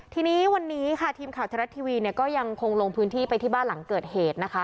ทีนี้วันนี้ค่ะทีมข่าวไทยรัฐทีวีเนี่ยก็ยังคงลงพื้นที่ไปที่บ้านหลังเกิดเหตุนะคะ